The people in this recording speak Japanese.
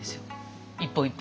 一本一本。